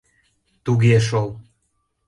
— Туге шол!